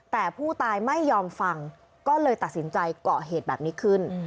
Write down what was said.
แต่ผู้ตายไม่ยอมฟังก็เลยตัดสินใจเกาะเหตุแบบนี้ขึ้น